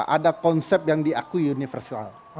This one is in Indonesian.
ada konsep yang diakui universial